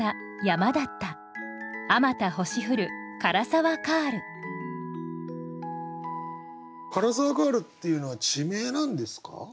「涸沢カール」っていうのは地名なんですか？